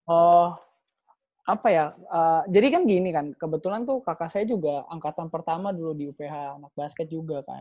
oh apa ya jadi kan gini kan kebetulan tuh kakak saya juga angkatan pertama dulu di uph anak basket juga kan